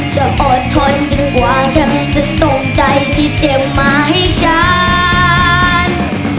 จะอดทนจนกว่าเธอจะส่งใจที่เต็มมาให้ฉัน